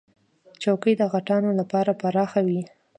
چوکۍ د غټانو لپاره پراخه وي.